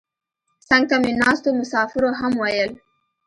څنګ ته مې ناستو مسافرو هم ویل.